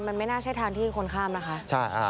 มันไม่น่าใช่ทางที่คนข้ามนะคะ